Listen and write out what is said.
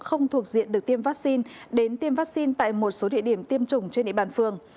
không thuộc diện được tiêm vaccine đến tiêm vaccine tại một số địa điểm tiêm chủng trên địa bàn phường